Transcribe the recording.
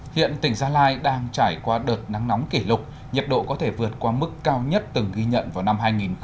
hiện tỉnh gia lai đang trải qua đợt nắng nóng kỷ lục nhiệt độ có thể vượt qua mức cao nhất từng ghi nhận vào năm hai nghìn hai mươi